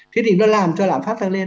thế thì nó làm cho làm phát tăng lên